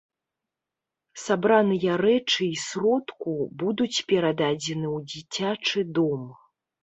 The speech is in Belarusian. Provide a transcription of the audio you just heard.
Сабраныя рэчы і сродку будуць перададзены ў дзіцячы дом.